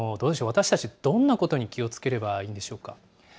私たち、どんなことに気をつければいいんでしょうか。